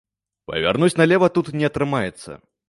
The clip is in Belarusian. Павярнуць налева тут не атрымаецца.